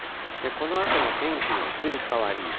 このあとの天気の移り変わり。